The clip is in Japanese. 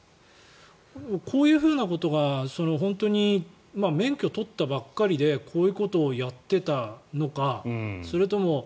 こういうふうなことが本当に免許を取ったばかりでこういうことをやっていたのかそれとも。